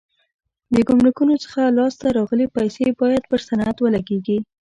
د ګمرکونو څخه لاس ته راغلي پیسې باید پر صنعت ولګېږي.